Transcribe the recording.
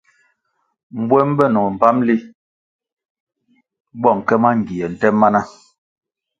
Mbuom benoh mbpamli bo nke mangie nte mana.